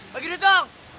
bagi duit dong